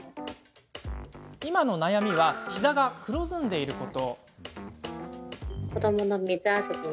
今の悩みはひざが黒ずんでいること。